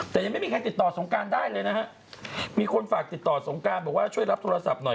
แต่ยังไม่มีใครติดต่อสงการได้เลยนะฮะมีคนฝากติดต่อสงการบอกว่าช่วยรับโทรศัพท์หน่อย